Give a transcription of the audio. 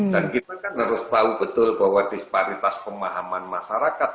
kita kan harus tahu betul bahwa disparitas pemahaman masyarakat